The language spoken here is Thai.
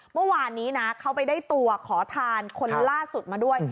เมื่อวานนี้นะเขาไปได้ตัวขอทานคนล่าสุดมาด้วย